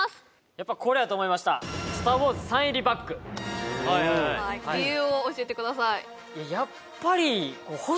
やっぱりこれやと思いました理由を教えてください